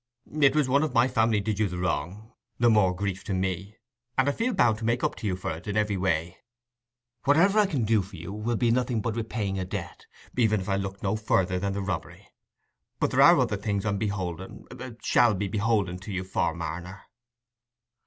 It was one of my family did you the wrong—the more grief to me—and I feel bound to make up to you for it in every way. Whatever I can do for you will be nothing but paying a debt, even if I looked no further than the robbery. But there are other things I'm beholden—shall be beholden to you for, Marner."